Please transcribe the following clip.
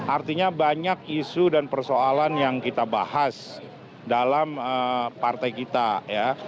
artinya banyak isu dan persoalan yang kita bahas dalam partai kita ya